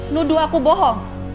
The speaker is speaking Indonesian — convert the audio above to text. nuduh aku bohong